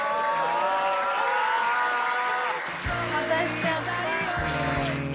「渡しちゃった」